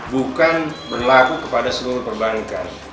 bukan berlaku kepada seluruh perbankan